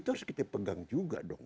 itu harus kita pegang juga dong